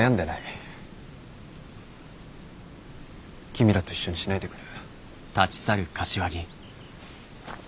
君らと一緒にしないでくれ。